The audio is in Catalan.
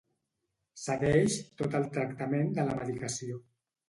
Segueix tot el tractament de la medicació.